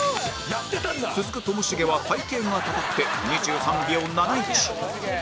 続くともしげは体形がたたって２３秒７１